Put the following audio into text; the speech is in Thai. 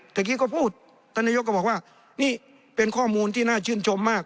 เมื่อกี้ก็พูดท่านนายกก็บอกว่านี่เป็นข้อมูลที่น่าชื่นชมมาก